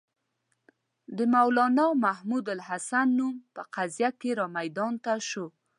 د مولنا محمودالحسن نوم په قضیه کې را میدان ته شو.